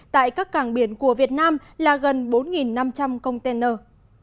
tại các cảng biển của việt nam là gần bốn năm trăm linh container